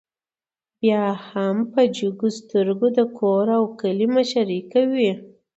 بيا هم په جګو سترګو د کور او کلي مشري کوي